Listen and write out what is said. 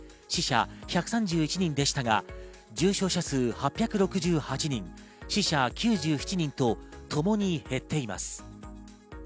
死者１３１人でしたが重症者数８６８人、死者９７人と、ともに減っています。